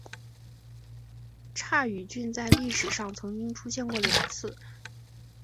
刈羽郡在历史上曾经出现过两次。